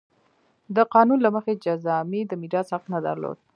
د قانون له مخې جذامي د میراث حق نه درلود.